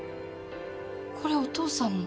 これお父さんの。